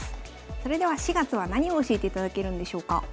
それでは４月は何を教えていただけるんでしょうか？